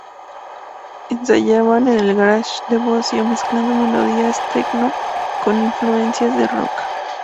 Ensayaban en el garaje de Bosio, mezclando melodías tecno con influencias de rock.